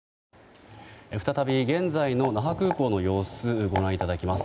再び現在の那覇空港の様子をご覧いただきます。